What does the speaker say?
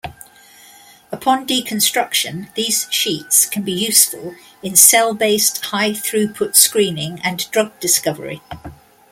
Upon deconstruction, these sheets can be useful in cell-based high-throughput screening and drug discovery.